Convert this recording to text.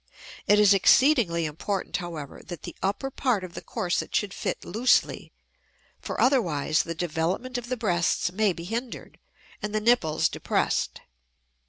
It is exceedingly important, however, that the upper part of the corset should fit loosely, for otherwise the development of the breasts may be hindered, and the nipples depressed.